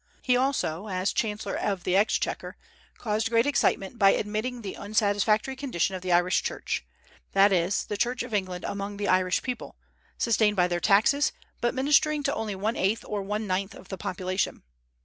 He also, as chancellor of the exchequer, caused great excitement by admitting the unsatisfactory condition of the Irish Church, that is, the Church of England among the Irish people; sustained by their taxes, but ministering to only one eighth or one ninth of the population.